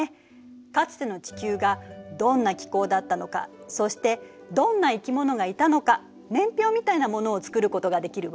かつての地球がどんな気候だったのかそしてどんな生き物がいたのか年表みたいなものを作ることができるわ。